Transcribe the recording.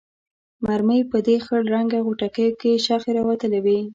مرمۍ په دې خړ رنګه غوټکیو کې شخې راوتلې وې.